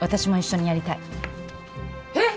えっ！